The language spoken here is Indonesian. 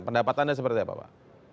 pendapat anda seperti apa pak